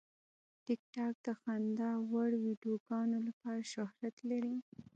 ټیکټاک د خندا وړ ویډیوګانو لپاره شهرت لري.